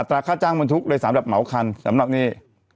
ราคาค่าจ้างบรรทุกเลยสำหรับเหมาคันสำหรับนี่